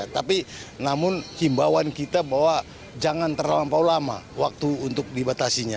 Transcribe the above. tapi namun himbauan kita bahwa jangan terlalu lama waktu untuk dibatasinya